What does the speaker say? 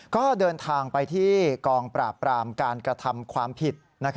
ก็เดินทางไปที่กองปราบปรามการกระทำความผิด